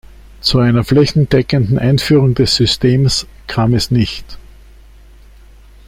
Zu einer flächendeckenden Einführung des Systems kam es nicht.